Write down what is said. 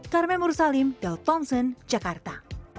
carmen mursalim del thompson jakarta